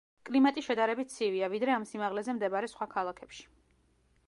კლიმატი შედარებით ცივია, ვიდრე ამ სიმაღლეზე მდებარე სხვა ქალაქებში.